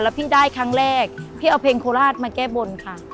พี่ได้ครั้งแรกพี่เอาเพลงโคราชมาแก้บนค่ะ